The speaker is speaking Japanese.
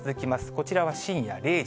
こちらは深夜０時。